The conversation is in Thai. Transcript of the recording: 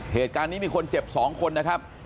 เหตุการณ์นี้มีคนเจ็บ๒คนนะครับ